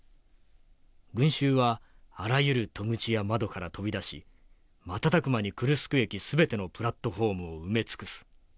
群衆はあらゆる戸口や窓から飛び出し瞬く間にクルスク駅全てのプラットホームを埋め尽くす。